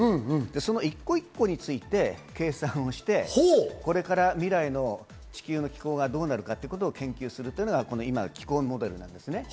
その一個一個について計算をして、これから未来の地球の気候がどうなるかということを研究するというのが気候モデルなんですね。